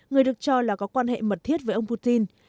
người được cho là có quan hệ mật thiết với ông putin